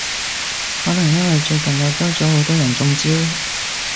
可能因為最近又多咗好多人中招？